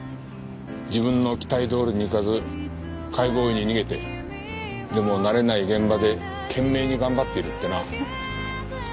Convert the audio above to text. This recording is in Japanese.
自分の期待どおりにいかず解剖医に逃げてでも慣れない現場で懸命に頑張っているってな。